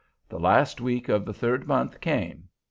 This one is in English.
The last week of the third month came.